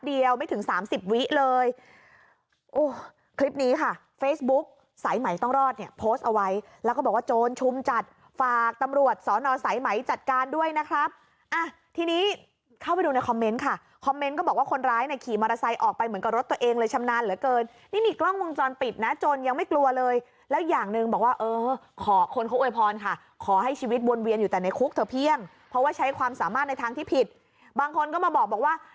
เฟซบุ๊กสายไหมต้องรอดเนี่ยโพสต์เอาไว้แล้วก็บอกว่าโจรชุมจัดฝากตำรวจสอนอนสายไหมจัดการด้วยนะครับอ่ะทีนี้เข้าไปดูในคอมเม้นต์ค่ะคอมเม้นต์ก็บอกว่าคนร้ายน่ะขี่มอเตอร์ไซค์ออกไปเหมือนกับรถตัวเองเลยชำนาญเหลือเกินนี่มีกล้องวงจรปิดน่ะจนยังไม่กลัวเลยแล้วอย่างหนึ่งบอกว่าเออขอ